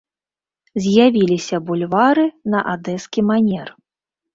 З'явіліся бульвары на адэскі манер.